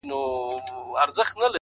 بيا دي توري سترگي زما پر لوري نه کړې،